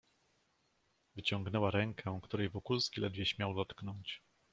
"Wyciągnęła rękę, której Wokulski ledwie śmiał dotknąć."